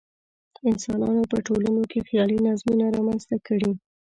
انسانانو په ټولنو کې خیالي نظمونه رامنځته کړي.